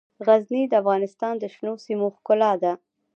غزني د افغانستان د شنو سیمو ښکلا ده.